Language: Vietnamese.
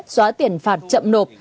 xóa tiền phạt chậm nộp